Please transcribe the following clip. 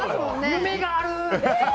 夢がある！